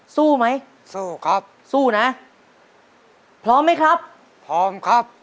สู้ไหมสู้ครับสู้นะพร้อมไหมครับพร้อมครับ